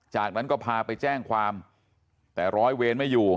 จากนั้นก็พาไปแจ้งความแต่ร้อยเวรไม่อยู่